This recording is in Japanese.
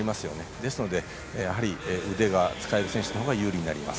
ですので腕が使える選手のほうが有利になります。